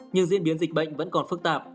nhưng diễn biến dịch bệnh vẫn còn phức tạp